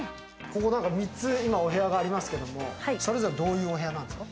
ここ３つ、お部屋がありますが、それぞれどういうお部屋なんですか？